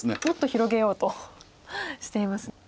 もっと広げようとしています。